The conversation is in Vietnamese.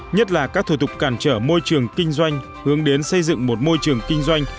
nhất là các thủ tục cản trở môi trường kinh doanh hướng đến xây dựng một môi trường kinh doanh